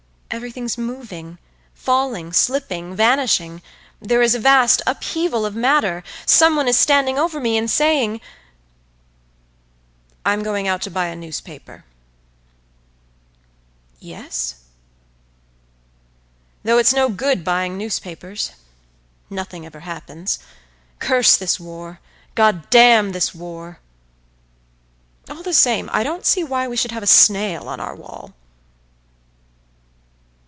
Everything's moving, falling, slipping, vanishing.… There is a vast upheaval of matter. Someone is standing over me and saying—"I'm going out to buy a newspaper.""Yes?""Though it's no good buying newspapers.… Nothing ever happens. Curse this war; God damn this war!… All the same, I don't see why we should have a snail on our wall."